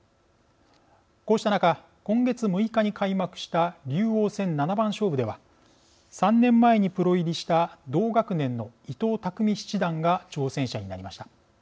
こうした中今月６日に開幕した竜王戦七番勝負では３年前にプロ入りした同学年の伊藤匠七段が挑戦者になりました。